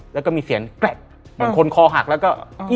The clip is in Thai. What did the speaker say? แล้วก็มีเสียงแกรกเหมือนคนคอหักแล้วก็